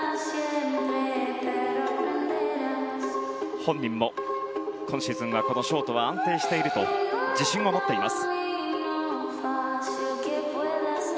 本人も今シーズンはこのショートは安定していると自信を持っています。